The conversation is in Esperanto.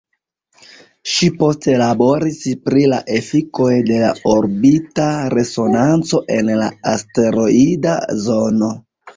Ŝi poste laboris pri la efikoj de la orbita resonanco en la asteroida zono.